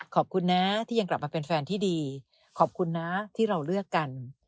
ขอบคุณนะที่ยังกลับมาเป็นแฟนที่ดีขอบคุณนะที่เราเลือกกัน